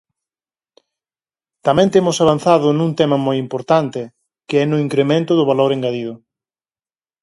Tamén temos avanzado nun tema moi importante, que é no incremento do valor engadido.